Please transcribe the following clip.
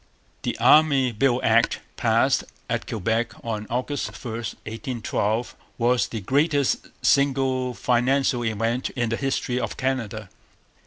The Army Bill Act, passed at Quebec on August 1, 1812, was the greatest single financial event in the history of Canada.